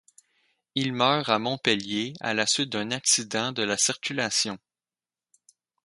Il meurt à Montpellier à la suite d'un accident de la circulation.